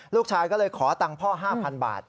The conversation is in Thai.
ลูกชายก็เลยขอตังค์พ่อ๕๐๐บาท